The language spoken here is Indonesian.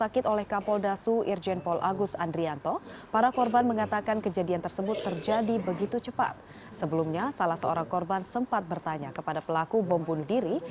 korban sempat bertanya kepada pelaku bom bunuh diri